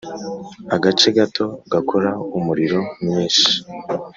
agace gato gakora umuriro mwinshi